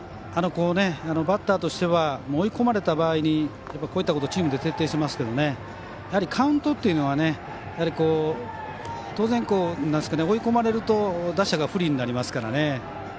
バッターとしては追い込まれた場合にこういったことチームで徹底していますけどカウントというのは当然追い込まれると打者が不利になりますからね。